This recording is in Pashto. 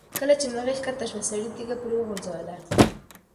کله چې مرغۍ ښکته شوه، سړي تیږه پرې وغورځوله.